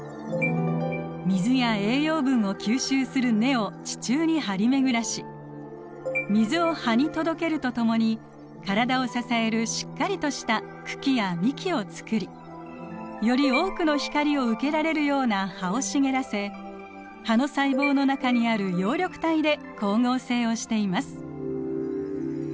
水や栄養分を吸収する根を地中に張り巡らし水を葉に届けるとともに体を支えるしっかりとした茎や幹を作りより多くの光を受けられるような葉を茂らせ葉の細胞の中にある葉緑体で光合成をしています。